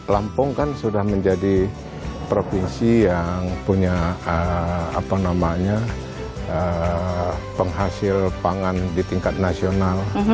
lampung kan sudah menjadi provinsi yang punya penghasil pangan di tingkat nasional